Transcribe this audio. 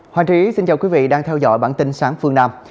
hoàng trí xin chào quý vị đang theo dõi bản tin sáng phương nam